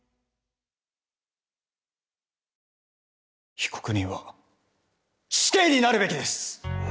被告人は死刑になるべきです。